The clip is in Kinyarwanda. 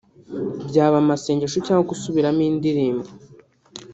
byaba amasengesho cyangwa gusubiramo indirimbo